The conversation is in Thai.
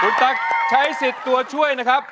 คุณตั๊กใช้สิทธิ์ตัวช่วยนะครับ